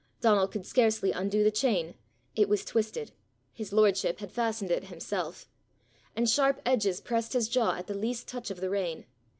Donal could scarcely undo the chain; it was twisted his lordship had fastened it himself and sharp edges pressed his jaw at the least touch of the rein.